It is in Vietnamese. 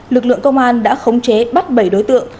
lực lượng công an đã khống chế bắt bảy đối tượng